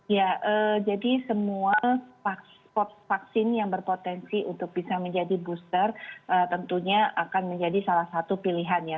ya jadi semua vaksin yang berpotensi untuk bisa menjadi booster tentunya akan menjadi salah satu pilihan ya